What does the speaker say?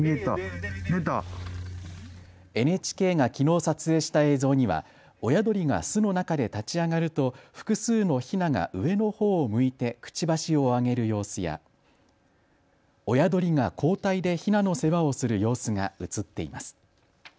ＮＨＫがきのう撮影した映像には親鳥が巣の中で立ち上がると複数のヒナが上のほうを向いてくちばしを上げる様子や親鳥が交代でヒナの世話をする様子が映っています。